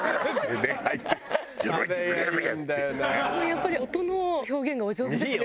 やっぱり音の表現がお上手ですね。